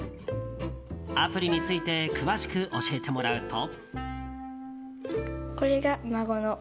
アプリについて詳しく教えてもらうと。